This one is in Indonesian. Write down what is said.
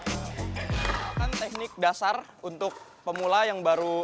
ini adalah teknik dasar untuk pemula yang baru ingin